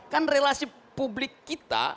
kan relasi publik kita